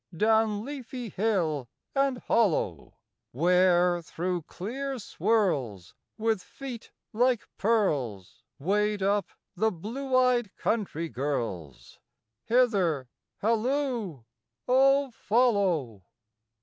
Down leafy hill and hollow, Where, through clear swirls, With feet like pearls, Wade up the blue eyed country girls. Hither! halloo! Oh, follow!"